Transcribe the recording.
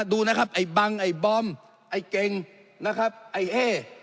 ดูนะครับไอ้บังไอ้บอมไอ้เกงไอ้เอ